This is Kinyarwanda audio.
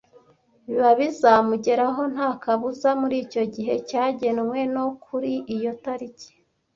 biba bizamugeraho nta kabuza muri icyo gihe cyagenwe no kuri iyo tariki